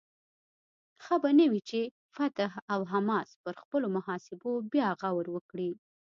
ښه به نه وي چې فتح او حماس پر خپلو محاسبو بیا غور وکړي؟